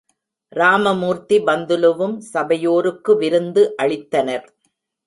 ராமமூர்த்தி பந்துலுவும் சபையோருக்கு விருந்து அளித்தனர்.